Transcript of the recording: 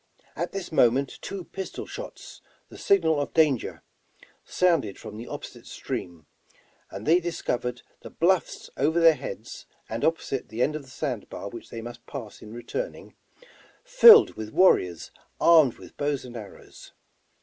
At this moment two pistol shots, the signal of danger, sounded from the opposite stream, and they discovered the bluffs over their heads, and opposite the end of the sand bar which they must pass in returning, filled with warriors armed with bows and arrows.